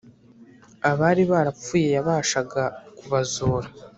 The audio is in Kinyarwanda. Abari barapfuye yabashaga kubazura